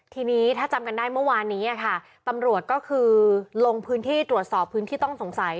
ทีนี้ถ้าจำกันได้เมื่อวานนี้ค่ะตำรวจก็คือลงพื้นที่ตรวจสอบพื้นที่ต้องสงสัย